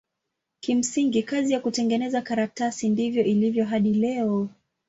Kimsingi kazi ya kutengeneza karatasi ndivyo ilivyo hadi leo.